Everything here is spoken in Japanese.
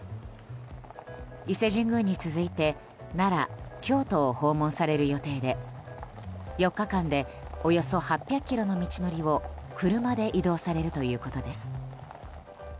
伊勢神宮に続いて奈良、京都を訪問される予定で４日間でおよそ８００ｋｍの道のりを車で移動されるということです。